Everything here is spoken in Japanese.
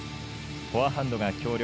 フォアハンドが強力。